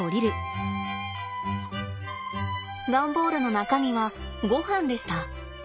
段ボールの中身はごはんでした。